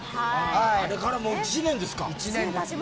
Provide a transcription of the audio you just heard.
あれから、もう１年ですか。